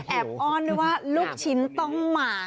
แอบอ้อนว่าลูกชิ้นต้องมา